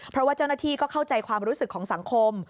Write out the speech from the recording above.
เพราะว่าเจ้าหน้าที่ก็เข้าใจความรู้สึกของสังคม